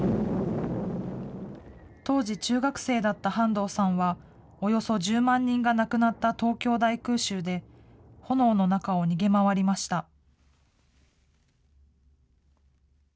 当時中学生だった半藤さんは、およそ１０万人が亡くなった東京大空襲で、炎の中を逃げ回りました。